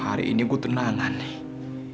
hari ini gue tenangan nih